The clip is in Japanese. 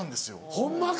ホンマか？